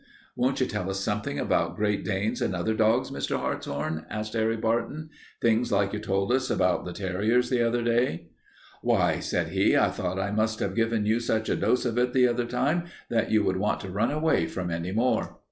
"Won't you tell us something about Great Danes and other dogs, Mr. Hartshorn?" asked Harry Barton. "Things like you told us about the terriers the other day." "Why," said he, "I thought I must have given you such a dose of it the other time that you would want to run away from any more."